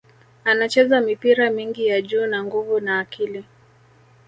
Anacheza mipira mingi ya juu na nguvu na akili